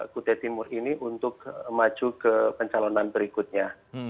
kute timur ini untuk maju ke pencalonan berikutnya